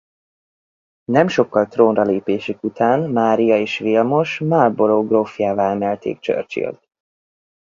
Nem sokkal trónra lépésük után Mária és Vilmos Marlborough grófjává emelték Churchillt.